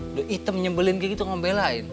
udah item nyebelin kayak gitu ngom belain